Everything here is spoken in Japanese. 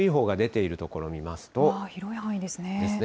広い範囲ですね。